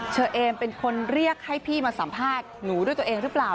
เชอเอมเป็นคนเรียกให้พี่มาสัมภาษณ์หนูด้วยตัวเองหรือเปล่า